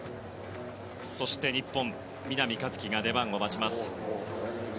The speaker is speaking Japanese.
そして日本南一輝が出番を待ちます。